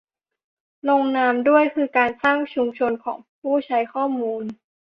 ลงนามด้วยคือการสร้างชุมชนของผู้ใช้ข้อมูล